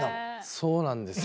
そうなんですよね。